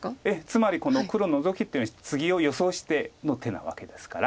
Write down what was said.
つまり黒ノゾキっていうのはツギを予想しての手なわけですから。